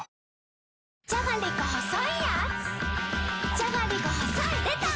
じゃがりこ細いやーつ